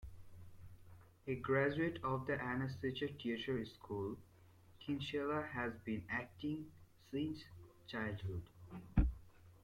A graduate of the Anna Scher Theatre School, Kinsella has been acting since childhood.